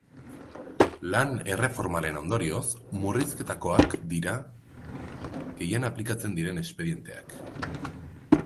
Lan-erreformaren ondorioz, murrizketakoak dira gehien aplikatzen diren espedienteak.